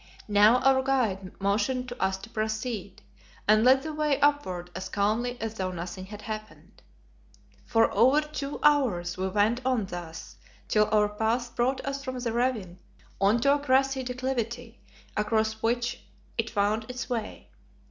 Now our guide motioned to us to proceed, and led the way upward as calmly as though nothing had happened. For over two hours we went on thus till our path brought us from the ravine on to a grassy declivity, across which it wound its way.